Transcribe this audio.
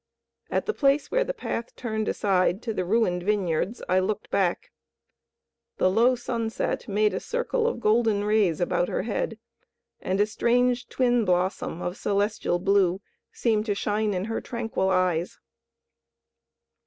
At the place where the path turned aside to the ruined vineyards I looked back. The low sunset made a circle of golden rays about her head and a strange twin blossom of celestial blue seemed to shine in her tranquil eyes.